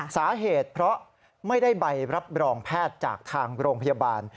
สาเหตุเพราะไม่ได้ใบรับรองแพทย์จากทางโรงพยาบาล